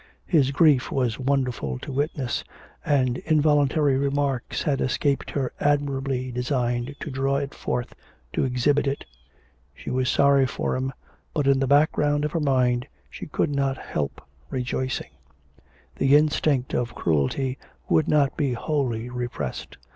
His grief was wonderful to witness, and involuntary remarks had escaped her admirably designed to draw it forth, to exhibit it; she was sorry for him, but in the background of her mind she could not help rejoicing; the instinct of cruelty would not be wholly repressed.